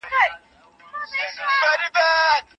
ایا د سهار په ورزش کي د یو منظم مهالویش لرل ګټور دي؟